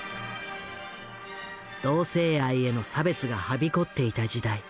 同性愛への差別がはびこっていた時代。